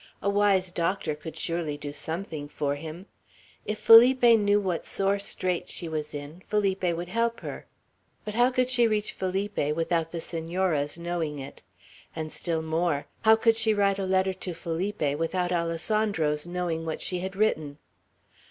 A wise doctor could surely do something for him. If Felipe knew what sore straits she was in, Felipe would help her. But how could she reach Felipe without the Senora's knowing it? And, still more, how could she send a letter to Felipe without Alessandro's knowing what she had written?